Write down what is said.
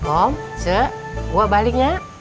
om c gua baliknya